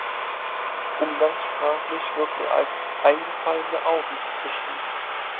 Umgangssprachlich wird er als "eingefallene Augen" beschrieben.